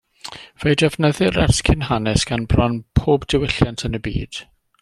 Fe'i defnyddir ers cyn hanes, gan bron pob diwylliant yn y byd.